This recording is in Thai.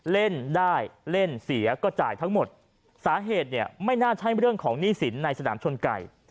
เล่นได้เล่นเสียก็จ่ายทั้งหมดสาเหตุเนี่ยไม่น่าใช่เรื่องของหนี้สินในสนามชนไก่